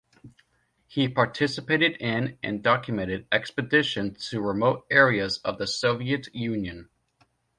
He participated in and documented expeditions to remote areas of the Soviet Union.